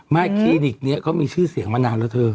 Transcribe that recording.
คลินิกนี้เขามีชื่อเสียงมานานแล้วเธอ